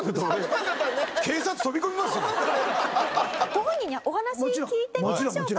ご本人にお話聞いてみましょうか。